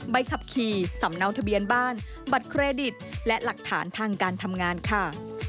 ใบขับขี่สำเนาทะเบียนบ้านบัตรเครดิตและหลักฐานทางการทำงานค่ะ